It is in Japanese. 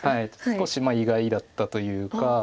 少し意外だったというか。